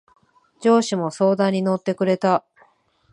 上司も相談に乗ってくれた。